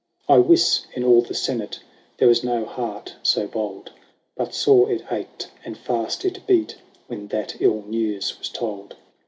XVIII. I wis, in all the Senate, There was no heart so bold, But sore it ached, and fast it beat. When that ill news was told.